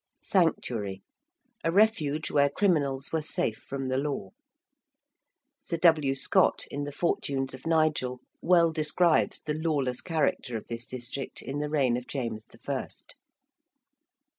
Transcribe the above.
~Sanctuary~: a refuge where criminals were safe from the law. Sir W. Scott in the 'Fortunes of Nigel' well describes the lawless character of this district in the reign of James I. ~St.